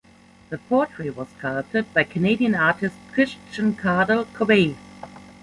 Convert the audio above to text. The portrait was sculpted by Canadian artist Christian Cardell Corbet.